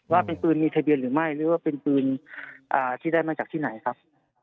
ว่าเป็นปืนมีทะเบียนหรือไม่หรือว่าเป็นปืนที่ได้มาจากที่ไหนครับ